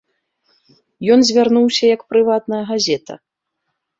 Ён звярнуўся як прыватная газета.